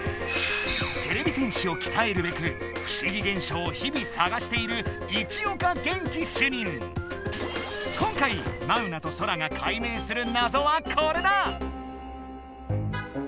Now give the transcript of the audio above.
てれび戦士をきたえるべく不思議現象を日々さがしている今回マウナとソラが解明するなぞはこれだ！